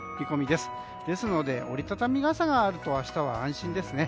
ですので、折り畳み傘があると明日は安心ですね。